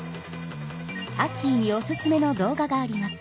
アッキーにおすすめの動画があります。